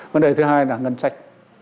vấn đề thứ hai là ngân sách